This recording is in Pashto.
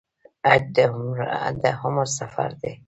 حج د عمر سفر دی